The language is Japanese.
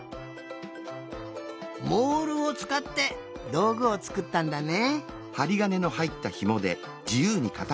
モールをつかってどうぐをつくったんだね。